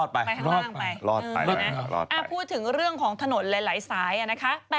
แต่ยังไม่ดูอุโมงเนอะอุโมงที่ไหนคะ